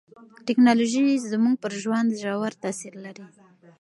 ټکنالوژي زموږ پر ژوند ژور تاثیر لري.